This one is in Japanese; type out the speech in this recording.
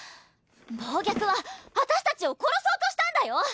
暴虐は私達を殺そうとしたんだよ